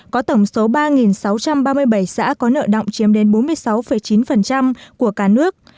có tổng số ba sáu trăm ba mươi bảy xã có nợ động chiếm đến bốn mươi sáu chín của cả nước